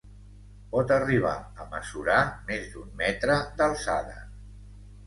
Pot arribar a mesurar més d’un metre d’alçada.